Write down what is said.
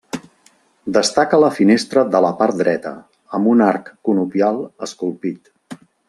Destaca la finestra de la part dreta, amb un arc conopial esculpit.